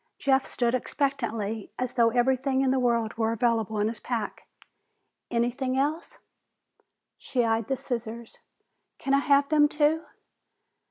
Jeff stood expectantly, as though everything in the world were available in his pack. "Anything else?" She eyed the scissors. "Can I have them, too?"